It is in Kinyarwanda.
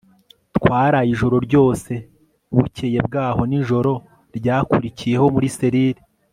twaraye iryo joro ryose, bukeye bwaho, nijoro ryakurikiyeho muri selire